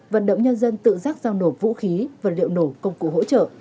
vận động nhân dân tự giác giao nộp vũ khí vật liệu nổ công cụ hỗ trợ